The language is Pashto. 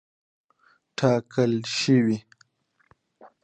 ټاکل شوې.